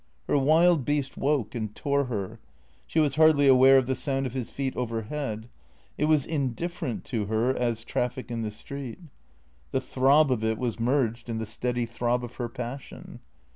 Her wild beast woke and tore her. She was hardly aware of the sound of his feet overhead. It was indifferent to her as traffic in the street. The throb of it was merged in the steady throb of her passion.